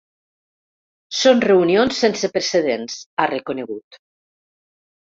Són reunions sense precedents, ha reconegut.